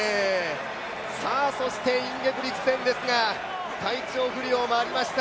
インゲブリクセンですが、体調不良もありました。